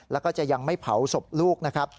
แล้วก็จะยังไม่เผาศพลูกนะครับ